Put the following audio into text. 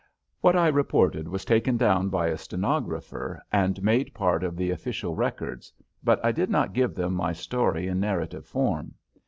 What I reported was taken down by a stenographer and made part of the official records, but I did not give them my story in narrative form.